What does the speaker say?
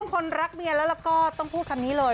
คนรักเมียแล้วก็ต้องพูดคำนี้เลย